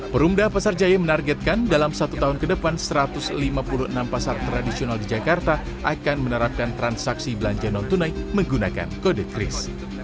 perumda pasar jaya menargetkan dalam satu tahun ke depan satu ratus lima puluh enam pasar tradisional di jakarta akan menerapkan transaksi belanja non tunai menggunakan kode kris